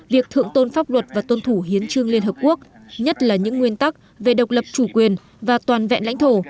việc thượng tôn pháp luật và tuân thủ hiến trương liên hợp quốc nhất là những nguyên tắc về độc lập chủ quyền và toàn vẹn lãnh thổ